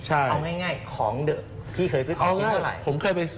เอาง่ายของเดอะพี่เคยซื้อทางชิ้นเมื่อไหร่